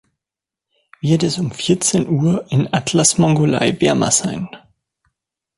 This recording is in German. Wird es um vierzehn Uhr in Atlas Mongolei wärmer sein